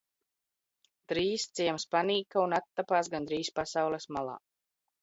Dr?z ciems pan?ka un attap?s gandr?z pasaules mal?.